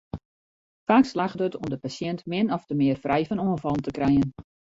Faak slagget it om de pasjint min ofte mear frij fan oanfallen te krijen.